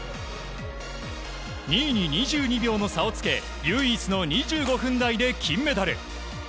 ２位に２２秒の差をつけ唯一の２５分台で金メダル。